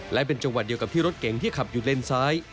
และเป็นจังหวัดเดียวกับที่รถเก๋งที่ขับอยู่เลนซ้าย